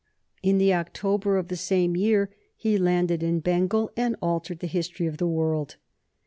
In the October of the same year he landed in Bengal and altered the history of the world.